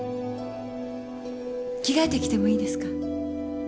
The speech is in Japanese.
着替えてきてもいいですか？